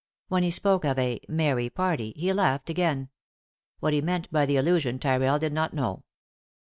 When he spoke of "a merry party" he laughed again. What he meant by the allusion Tyrrell did not know.